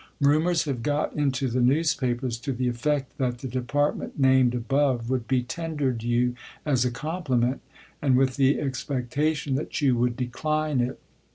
Ru mors have got into the newspapers to the effect that the department named above would be tendered you as a compliment, and with the expectation that you would de cline it.